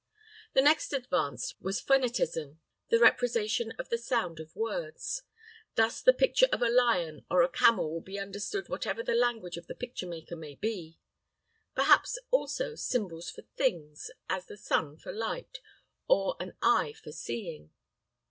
The next advance was phonetism, the representation of the sound of words. Thus, the picture of a lion or a camel will be understood whatever the language of the picture maker may be. Perhaps, also, symbols for things, as the sun for light, or an eye for seeing.